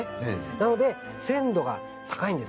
なので鮮度が高いんです。